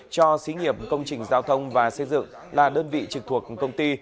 cho xí nghiệp công trình giao thông và xây dựng là đơn vị trực thuộc công ty